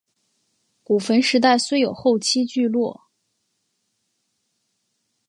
古坟时代虽有后期聚落。